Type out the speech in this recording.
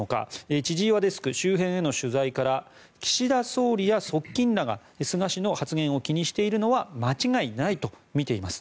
千々岩デスク周辺への取材から岸田総理や側近らが菅氏の発言を気にしているのは間違いないとみています。